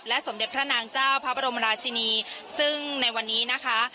สมเด็จพระนางเจ้าพระบรมราชินีซึ่งในวันนี้นะคะ